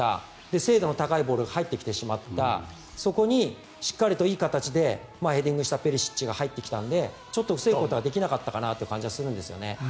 精度の高いボールが入ってきてしまったそこにしっかりと、いい形でヘディングしたペリシッチが入ってきたので防ぐことはできなかったかなという感じがするんですよね。